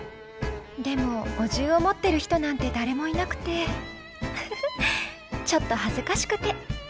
でもお重を持ってる人なんて誰もいなくてふふちょっと恥ずかしくて」。